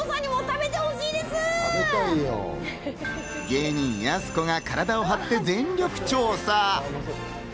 芸人・やす子が体を張って全力調査。